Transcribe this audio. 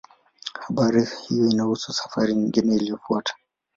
Habari hiyo inahusu safari nyingine iliyofuata.